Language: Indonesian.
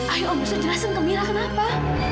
ayo om bisa jelasin ke mira kenapa